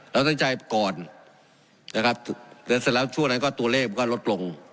เราตั้งใจก่อนนะครับแล้วเสร็จแล้วช่วงนั้นก็ตัวเลขมันก็ลดลง